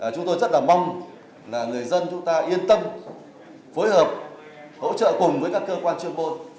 chúng tôi rất là mong là người dân chúng ta yên tâm phối hợp hỗ trợ cùng với các cơ quan chuyên môn